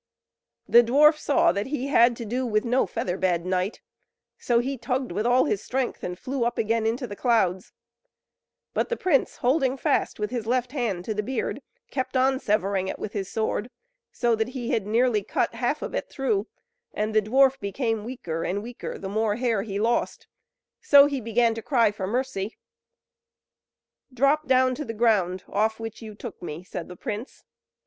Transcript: The dwarf saw that he had to do with no feather bed knight; so he tugged with all his strength, and flew up again into the clouds; but the prince, holding fast with his left hand to the beard, kept on severing it with his sword, so that he had nearly cut half of it through; and the dwarf became weaker and weaker the more hair he lost, so he began to cry for mercy. "Drop down to the ground, off which you took me," said the prince.